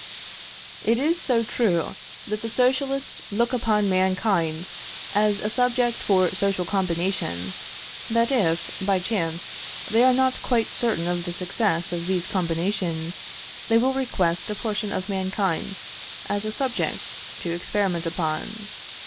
It is so true, that the Socialists look upon mankind as a subject for social combinations, that if, by chance, they are not quite certain of the success of these combinations, they will request a portion of mankind, as a subject to experiment upon.